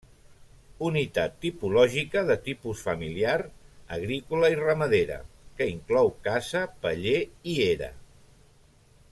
Unitat tipològica de tipus familiar, agrícola i ramadera, que inclou casa, paller i era.